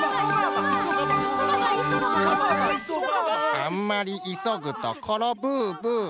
あんまりいそぐところブーブー。